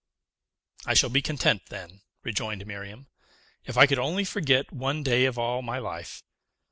"I shall be content, then," rejoined Miriam, "if I could only forget one day of all my life."